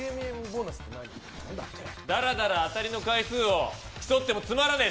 だらだら当たりの回数を競ってもつまらねえ。